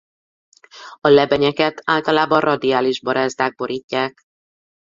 A lebenyeket általában radiális barázdák borítják.